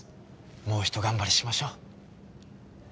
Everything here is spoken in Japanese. もうひと頑張りしましょう。